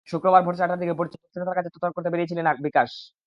শুক্রবার ভোরে চারটার দিকে পরিচ্ছন্নতার কাজ তদারক করতে বেরিয়ে ছিলেন বিকাশ।